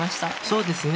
そうですね